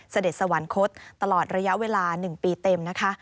เสด็จสวรรคตตลอดระยะเวลา๑ปีเต็มนะคะ